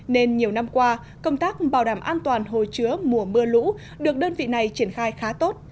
nên nhiều năm qua công tác bảo đảm an toàn hồ chứa mùa mưa lũ được đơn vị này triển khai khá tốt